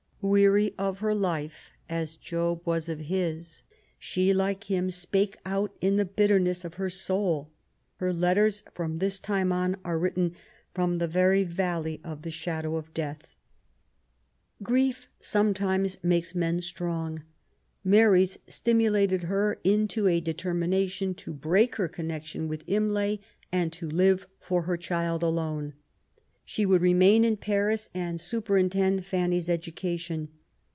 Weary of her life as Job was of his, she,'like him, spake out in the bitterness of her soul. Her letters from this time on are written from the very valley of the shadow of death. 1MLAT8 BE8EETI0N. 139 Grief sometimes makes men strong. Mary's stimu lated her into a determination to break her connection with Imlay, and to live for her child alone. She would remain in Paris and superintend Fann/s education.